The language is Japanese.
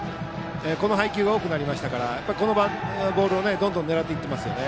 この配球が多くなりましたからこのボールをどんどん狙っていっていますね。